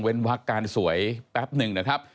วักการสวยแป๊บหนึ่งนะครับ